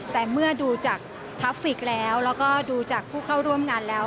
แต่เมื่อดูจากกราฟิกแล้วแล้วก็ดูจากผู้เข้าร่วมงานแล้ว